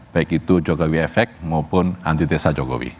baik itu jokowi efek maupun antitesa jokowi